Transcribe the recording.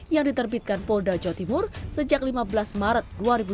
yang diterbitkan polda jawa timur sejak lima belas maret dua ribu sembilan belas